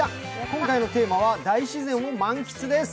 今回のテーマは大自然を満喫です。